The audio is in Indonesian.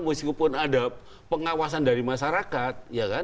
meskipun ada pengawasan dari masyarakat